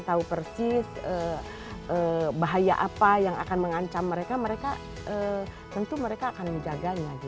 tahu persis bahaya apa yang akan mengancam mereka mereka tentu mereka akan menjaganya